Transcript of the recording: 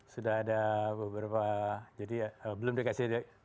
sudah ada beberapa jadi belum dikasih